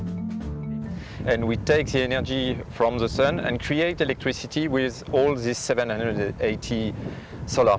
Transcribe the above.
dan kita mengambil energi dari lautan dan membuat elektrisitas dengan semua panel solar tujuh ratus delapan puluh